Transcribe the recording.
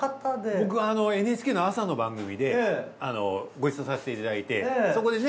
僕ＮＨＫの朝の番組でご一緒させていただいてそこでね